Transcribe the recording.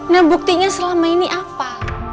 nah buktinya selama ini apa